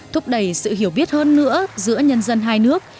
thúc đẩy sự hiểu biết hơn nữa giữa nhân dân hai nước